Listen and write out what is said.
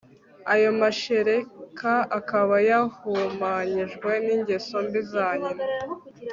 ayo mashereka akaba yahumanyijwe ningeso mbi za nyina